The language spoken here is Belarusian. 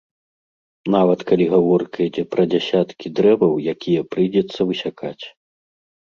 Нават калі гаворка ідзе пра дзясяткі дрэваў, якія прыйдзецца высякаць.